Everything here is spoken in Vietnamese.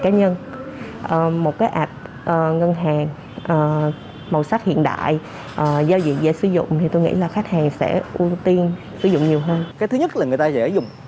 cái thứ nhất là người ta dễ dùng